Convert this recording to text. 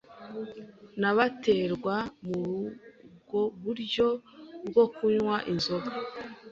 nabaterwa murubwo buryo bwo kunkwa inzoga